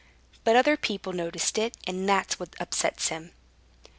"But other people noticed it, and that's what upsets him."